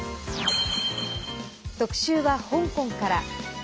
特集は香港から。